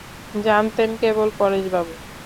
জানতেন কেবল পরেশবাবু।